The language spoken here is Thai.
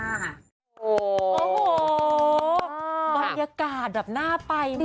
โอ้โหบรรยากาศแบบน่าไปมาก